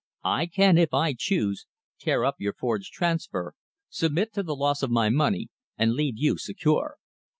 I can, if I choose, tear up your forged transfer, submit to the loss of my money, and leave you secure.